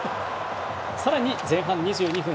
さらに前半２２分。